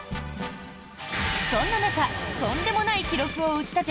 そんな中とんでもない記録を打ち立て